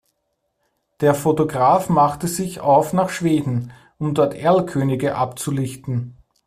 Der Fotograf machte sich auf nach Schweden, um dort Erlkönige abzulichten.